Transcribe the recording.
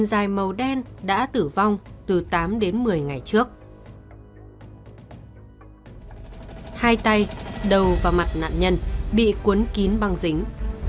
dài màu đen đã tử vong từ tám đến một mươi ngày trước hai tay đầu và mặt nạn nhân bị cuốn kín băng dính